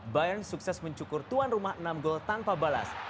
bion sukses mencukur tuan rumah enam gol tanpa balas